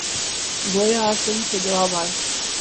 گویا ہر سمت سے جواب آئے